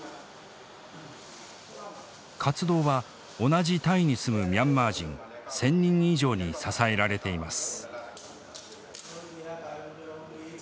活動は同じタイに住むミャンマー人１，０００人以上に支えられています。